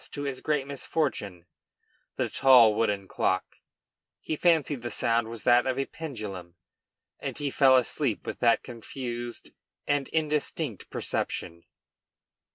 to his great misfortune, the tall wooden clock; he fancied the sound was that of the pendulum, and he fell asleep with that confused and indistinct perception.